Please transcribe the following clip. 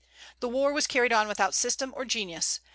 The war was carried on without system or genius.